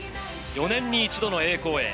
４年に一度の栄光へ。